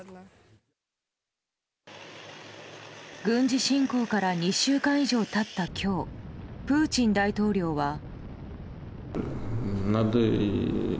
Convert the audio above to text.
軍事侵攻から２週間以上経った今日、プーチン大統領は。